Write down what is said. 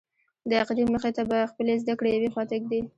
د عقیدې مخې ته به خپلې زده کړې یوې خواته ږدې.